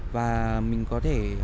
và mình có thể